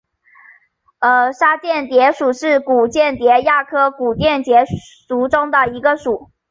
沙蚬蝶属是古蚬蝶亚科古蚬蝶族中的一个属。